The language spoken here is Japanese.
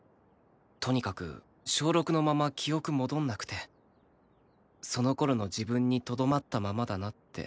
とにかく小６のまま記憶戻んなくてその頃の自分にとどまったままだなって。